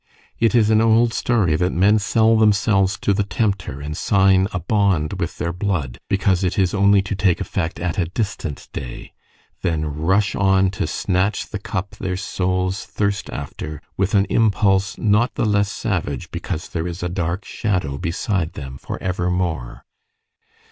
It is an old story, that men sell themselves to the tempter, and sign a bond with their blood, because it is only to take effect at a distant day; then rush on to snatch the cup their souls thirst after with an impulse not the less savage because there is a dark shadow beside them for evermore.